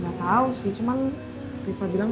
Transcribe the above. nggak tahu sih cuma rifqi bilang